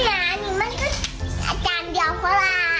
อันนี้มันก็อาจารย์เดียวเพราะล่ะ